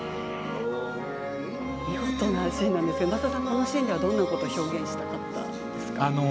見事なシーンなんですけれどもこのシーンではどんなことを表現したかったんですか？